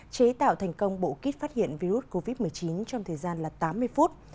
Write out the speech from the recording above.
chế tạo thành công bộ kit phát hiện virus covid một mươi chín trong thời gian tám mươi phút